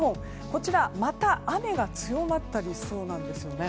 こちら、また雨が強まったりしそうなんですよね。